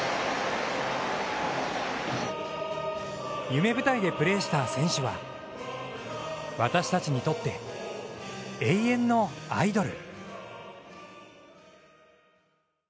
夢舞台でプレーした選手は私たちにとって永遠のアイドル。